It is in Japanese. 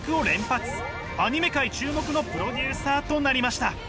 アニメ界注目のプロデューサーとなりました。